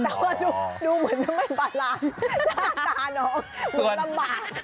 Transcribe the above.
แต่ว่าดูเหมือนจะไม่บาลานหน้าตาน้องเหมือนลำบาก